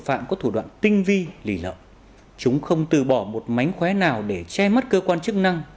phạm có thủ đoạn tinh vi lì lợm chúng không từ bỏ một mánh khóe nào để che mắt cơ quan chức năng